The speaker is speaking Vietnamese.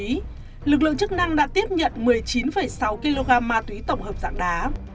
lực lượng chức năng đã tiếp nhận một mươi chín sáu kg ma túy tổng hợp dạng đá